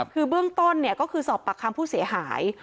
คือเบื้องต้นก็คือสอบปากคำผู้เสียหาย